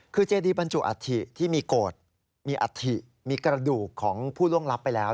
คือเจดีบรรจุอัฐิที่มีโกรธมีอัฐิมีกระดูกของผู้ล่วงลับไปแล้ว